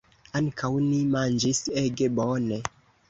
Ankaŭ ni manĝis ege bone!